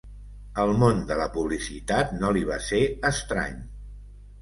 El món de la publicitat no li va ser estrany.